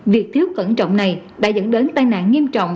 việc thiếu cẩn trọng này đã dẫn đến tai nạn nghiêm trọng